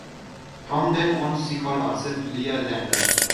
From then on she called herself Lea Lander.